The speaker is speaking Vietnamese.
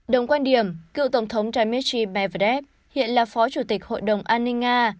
đồng quan điểm cựu tổng thống dmitry bev hiện là phó chủ tịch hội đồng an ninh nga